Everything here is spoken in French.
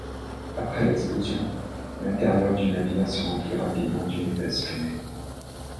Après l'explosion, l'intérieur du navire se remplit rapidement d'une épaisse fumée.